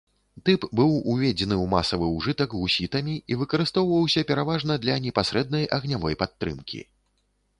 Тып быў уведзены ў масавы ўжытак гусітамі і выкарыстоўваўся пераважна для непасрэднай агнявой падтрымкі.